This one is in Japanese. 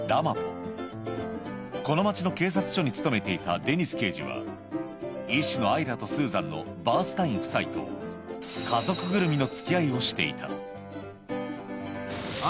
この町の警察署に勤めていたデニス刑事は医師のアイラとスーザンのバースタイン夫妻とところが実は。